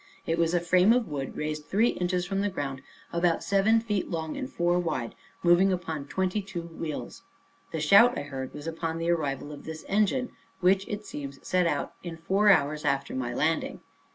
It was a frame of wood raised three inches from the ground, about seven feet long, and four wide, moving upon twenty two wheels. The shout I heard was upon the arrival of this engine, which, it seems, set out in four hours after my landing.